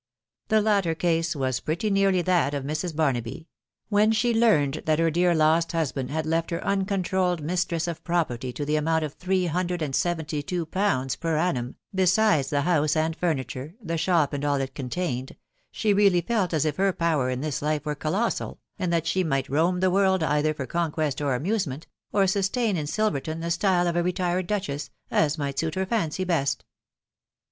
The latter case was pretty nearly that of Mrs. Barnaby : when she learned that her dear lost husband had left her un controlled mistress of property to the amount of three hundred and seventy two pounds per annum, besides the house and furniture, the shop and all it contained, she really felt as if her power in this life were colossal, and that she might roam the world either for conquest or amusement, or sustain in Sil verton the style of a retired duchess, as might suit her fancy best.